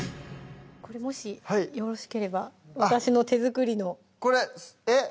これもしよろしければ私の手作りのこれえっ？